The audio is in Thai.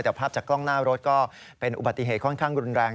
แต่ภาพจากกล้องหน้ารถก็เป็นอุบัติเหตุค่อนข้างรุนแรง